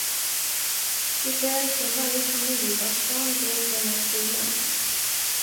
Du stjäl från varje familj vars barn går på den här skolan.